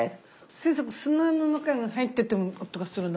先生砂の中に入ってても音がするの？